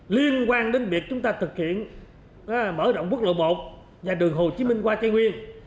liên quan đến việc chúng ta thực hiện mở rộng quốc lộ một và đường hồ chí minh qua tây nguyên